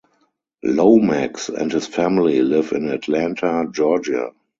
Lomax and his family live in Atlanta, Georgia.